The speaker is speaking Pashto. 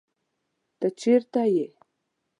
ته چرته یې؟